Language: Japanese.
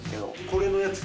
これのやつ？